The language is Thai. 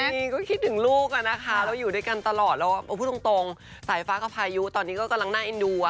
นี่ก็คิดถึงลูกมะนะคะว่าอยู่ด้วยกันตลอดแล้วว่าพูดตรงตรงไสฟฟ้าก็พายุตอนนี้ก็กำลังหน้าเอ็นดูอะ๑๙๖๔